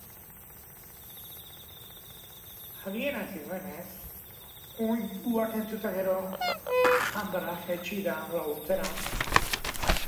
Adierazi duenez, oihuak entzuterakoan emakume bat etxetik jaitsi da laguntzera.